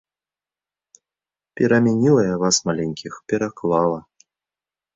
Перамяніла я вас маленькіх, пераклала.